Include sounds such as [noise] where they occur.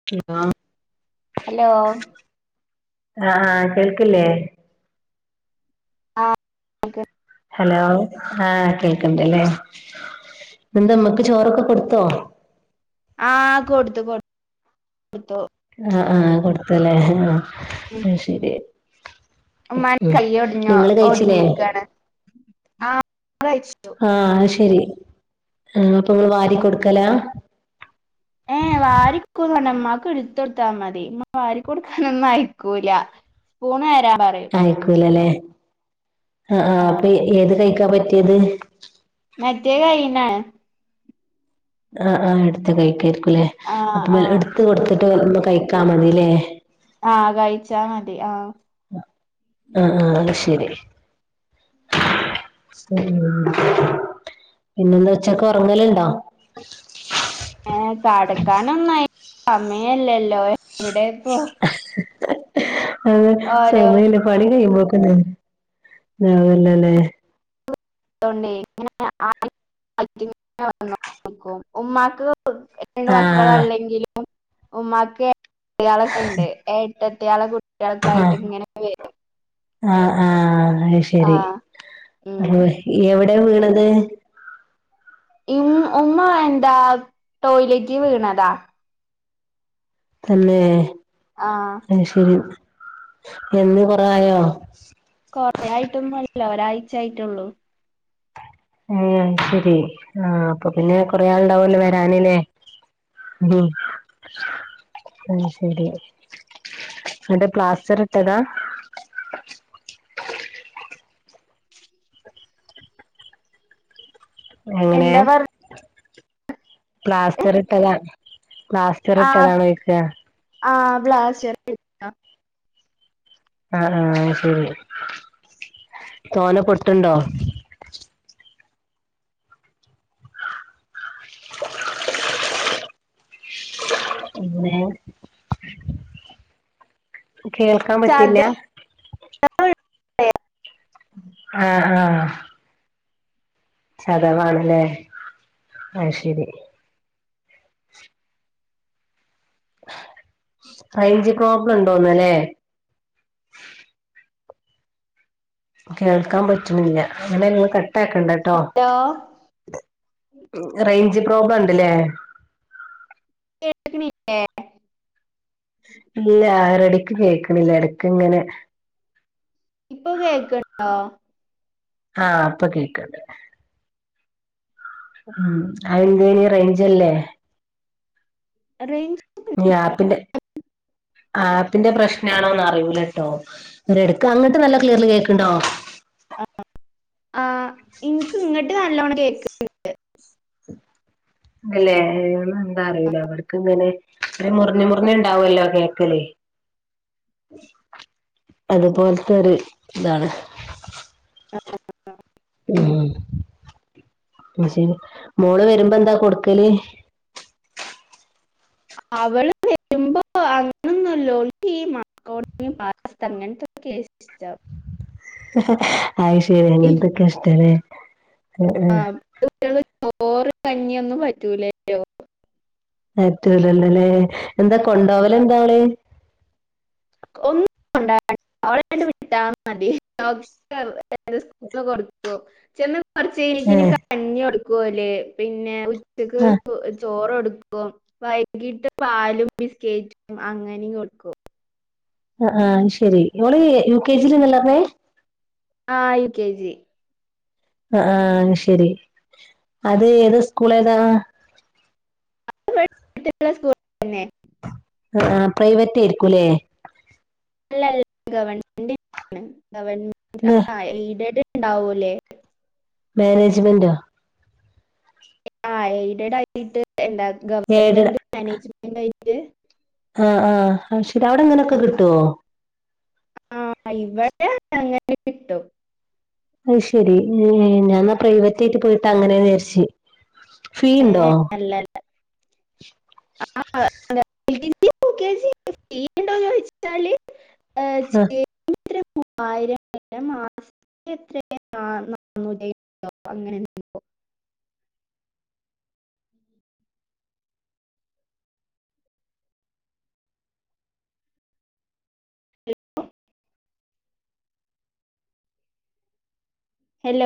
[unintelligible] Hello? ആഹ് ആഹ് കേൾക്കില്ലേ? [inaudible] ഹലോ ആഹകേൾക്ക്ണ്ട്ല്ലേ ന്ത്മ്മ്ക്ക് ചോറൊക്കെകൊടുത്തോ? ആഹ് കൊടുത്തു കൊടുത്തു ആഹ് ആഹ് കൊടുത്തുല്ലേ ഉം ഉം അഹ്ശരി ഉമ്മാന്റെ ഉം കൈ ഒടിഞ്ഞോ നിങ്ങള്കഴിച്ചിലേ? ഒടിഞ്ഞിക്കാണ് [unintelligible] ആഅഹ് ശെരി ആഅപ്പൊങ്ങള് വാരികൊട്ക്കലാ? ഏഹ് വാരി [unintelligible] ഇമ്മാക്ക് ഇട്ത്തൊട്ത്താ മതി ഇമ്മ വാരികൊട്ക്കാനൊന്നും അയക്കൂല പൂണ് തരാൻപറയും അയക്കൂലല്ലേ ആഹ് ആഹ് അപ്പൊ ഏത് കൈക്കാ പറ്റിയത്? മറ്റേകഴിന്നാണ് [unintelligible] ആആ എടുത്ത്കഴിക്കരിക്കുംലേ ആഹ് ആഹ് അപ്പൊഎടുത്ത്കൊടുത്തിട്ട് കഴിക്കാമതില്ലേ. ആ കഴിച്ചാമതി ആ. ആഹ് ആഹ് അഹ്ശെരി പിന്നെന്താ ഉച്ചക്ക് ഒറങ്ങലുണ്ടോ? ഏഹ് കെടക്കാനൊന്നായിട്ടില്ല സമയല്ലല്ലോ എവിടെപ്പോ ഓരോ [unintelligible] പണികഴിയുമ്പോക്കിന് നെരല്ലല്ലേ. [unintelligible] രണ്ട് ആഹ് മക്കളല്ലെങ്കിലും, ഉമ്മാക്ക്എട്ടത്തിയാളൊക്കെണ്ട് ഏട്ടത്തിയാളെകു കുട്ടിയാൾക്കായിട്ട് ഇങ്ങനെ വരും ആഹ്ആഹ് അഹ്ശെരി ആഹ് ഉം എവിടെവീണത്? ഇമ് ഉമ്മഎന്താ ടോയ്ലറ്റീവീണതാ. തന്നെ. ആഹ് അശെരി എന്ന്കൊറായോ? കൊറെ ആയിട്ടൊന്നുല്ല ഒരാഴ്ച ആയിട്ടുള്ളൂ ഏയ് അയ് ശരി ആഹ് അപ്പൊ പിന്നെ കൊറേ ആള്ണ്ടാവല്ലോ വരാന് ല്ലേ ഉം അത് ശരി നിന്റെ പ്ലാസ്റ്റർ ഇട്ടതാ എങ്ങനെ എന്താ പറ പ്ലാസ്റ്റർ ഇട്ടതാ പ്ലാസ്റ്റർ ഇട്ടതാണോ ചോയ്ക്ക ആ പ്ലാസ്റ്ററ് ആഹ് ആഹ് ശരി തോന പൊട്ടുണ്ടോ ഇന്നേ കേൾക്കാംപറ്റില്ല ചതുരം ആഹ് ആഹ് ചതവാണ്ലേ ആഹ് ശരി റെയ്ഞ്ച് പ്രോബ്ലം ഉണ്ടോന്നലേ കേൾക്കാൻ പറ്റ്ണില്ല, അങ്ങനെ നിങ്ങൾ കട്ട ആക്കണ്ട ട്ടോ ഹലോ റെയ്ഞ്ച് പ്രോബ്ലം ഉണ്ട്ലേ കേക്ക്ണില്ലേ ഇല്ല ഒരെടെക്ക് കേൾക്കണില്ല എടക്ക് ഇങ്ങനെ ഇപ്പൊ കേൾക്ക്ണ്ടോ ആഹ് ഇപ്പം കേക്ക്ണ്ട് ഉം അഹ് എന്തേനി റെയ്ഞ്ചില്ലേ റെയ്ഞ്ച് ഈ ആപ്പിന്റെ ആപ്പിന്റെ പ്രശ്നാണോന്നറിയൂല ട്ടോ [unintelligible] എടുക്ക അങ്ങട്ട് നല്ല ക്ലിയർല് കേക്ക് ണ്ടോ ആഹ് ഇൻക്ക് ഇങ്ങട്ട് നല്ലോണം കേക്ക്ണ്ട് ഇന്നല്ലേ [unintelligible] എന്താ അറിയൂല ഇവടക്ക് ഇങ്ങനെ തൃ മുറിഞ്ഞി മുറിഞ്ഞി ഇണ്ടാവല്ലോ കേക്കല് അതുപോൽത്തൊരു ഇതാണ് [inaudible] ഉ ആഹ് ശരി മോള് വരുമ്പം എന്താ കൊടുക്കല് അവള് വെരു [inaudible] അങ്ങനൊന്നുല്ല, ഓൾക്കീ മക്രോണി പാസ്ത അങ്ങൻത്തെകേ ഇഷ്ടം അഹ് ശരി അങ്ങൻതൊക്കെയാ ഇഷ്ടലേ ആഹ് കുട്ടികള് ചോറ് കഞ്ഞിയൊന്നും പറ്റൂലേ പറ്റൂലല്ലല്ലേ എന്താ കൊണ്ടോവല് എന്താ ആഹ് ആള് ഒന്നും കൊണ്ട [inaudible] ഓളെ അങ്ങട്ട് വിട്ടാ മതി [inaudible] ചെന്ന് ഏ കൊറചേലതിന് കഞ്ഞി കൊടുക്കൂലേ പിന്നെ ഉച്ചക്ക് ആ [unintelligible] ചോറ് കൊടുക്കും, വൈകീട്ട് പാലും ബിസ്കേറ്റും അങ്ങനിം കൊടുക്കും ആഹ് ആഹ് അയ്ശെരി, ഓള് യു കെ ജി ല് ന്നല്ലറഞ്ഞേ ആഹ് യു കെ ജി ആഹ് ശരി അത് ഏത് സ്കൂളേതാ [inaudible] സ്കൂൾ തന്നെ ആഹ് പ്രൈവറ്റേയിരിക്കുംല്ലേ അല്ലല്ല ഗവൺമെന്റ് [inaudible] ഗവൺമെന്റ് ഇത് ആയ എയ്ഡഡ് ഉണ്ടാവൂല്ലേ മേനേജ്മെന്റോ ആഹ് എയ്ഡഡ് ആയിട്ട് എന്താ എയ്ഡഡ് ഗവൺമെന്റ് മേനേജ്മെന്റ് ആയിട്ട് ആഹ് ആഹ് അഹ്‌ ശരി അവിടെ അങ്ങനെക്കെ കിട്ടോ ആഹ് ഇവടെ അങ്ങനേ കിട്ടും അത് ശെരി ഞാന്നാ പ്രൈവറ്റേയിട്ട് പോയിട്ട് അങ്ങനേന്ന് വിചരിച്ച് [unintelligible] അല്ല [inaudible] L K G, U K G [inaudible] സീറ്റ്ണ്ടോ ചോയ്ച്ച് തള ആ ചേ മൂവായിരം പിന്നെ മാസ് എ [unintelligible] ഹലോ